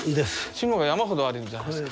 志野が山ほどあるじゃないすか。